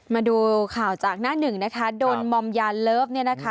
มาดูข่าวจากหน้าหนึ่งโดนลงมอมยาเลิฟ